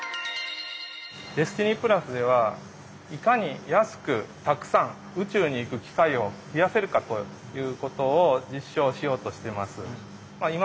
ＤＥＳＴＩＮＹではいかに安くたくさん宇宙に行く機会を増やせるかということを実証しようとしてます。